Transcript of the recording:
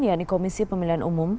yanni komisi pemilihan umum